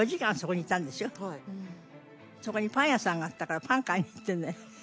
そこにパン屋さんがあったからパンを買いに行ってね。